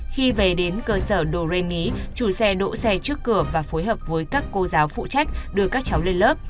khi về đến cơ sở doremi chủ xe đỗ xe trước cửa và phối hợp với các cô giáo phụ trách đưa các cháu lên lớp